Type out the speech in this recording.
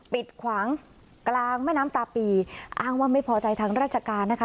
ดขวางกลางแม่น้ำตาปีอ้างว่าไม่พอใจทางราชการนะคะ